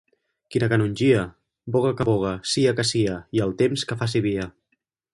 Quina canongia! Voga que voga, cia que cia, i el temps que faci via.